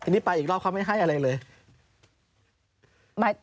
อันนี้ไปอีกรอบเขาไม่ให้อะไรเลย